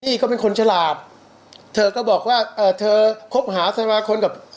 นี่ก็เป็นคนฉลาบเธอก็บอกว่าเธอคบหาสำหรับคนกับ